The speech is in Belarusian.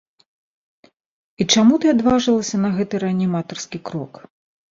І чаму ты адважылася на гэты рэаніматарскі крок?